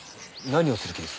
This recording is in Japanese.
何をする気です？